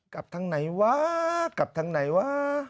กลับทางไหนวะกลับทางไหนวะ